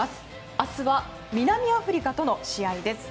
明日は南アフリカとの試合です。